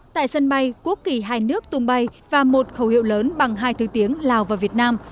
tại sân bay quốc kỳ hai nước tung bay và một khẩu hiệu lớn bằng hai thứ tiếng lào và việt nam